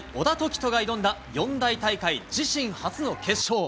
人が挑んだ四大大会自身初の決勝。